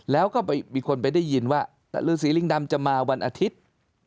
แล้วก็มีคนไปได้ยินว่าฤษีลิงดำจะมาวันอาทิตย์